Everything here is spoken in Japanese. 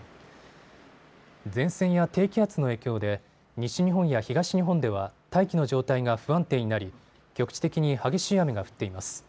前線や低気圧の影響で西日本や東日本では大気の状態が不安定になり局地的に激しい雨が降っています。